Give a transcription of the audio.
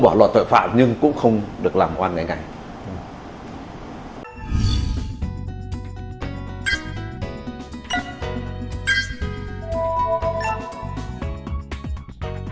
bỏ loạt tội phạm nhưng cũng không được làm oan người ngay ừ ừ ừ ừ ừ ừ ừ ừ ừ ừ ừ ừ